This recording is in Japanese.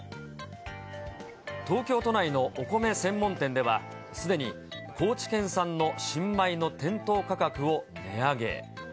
東京都内のお米専門店では、すでに高知県産の新米の店頭価格を値上げ。